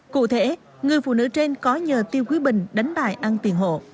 cụ thể người phụ nữ trên có nhờ tiêu quý bình đánh bài ăn tiền hộ